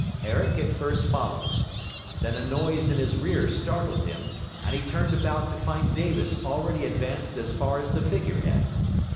Herrick at first followed. Then a noise in his rear startled him, and he turned about to find Davis already advanced as far as the figure head.